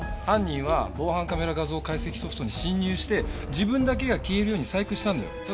犯人は防犯カメラ画像解析ソフトに侵入して自分だけが消えるように細工したんだよ。